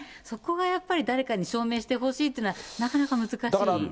そこがやっぱり、誰かに証明してほしいというのは、なかなか難しいですよね。